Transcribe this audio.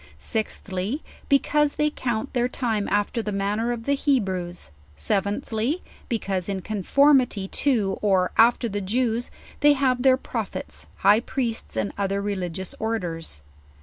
Sixthly, because they count their time after the manner of the Hebrews. Seventhly, because, in conformity to, or af ter the Jews, they have their prophets, high priests, and oth er religious orders.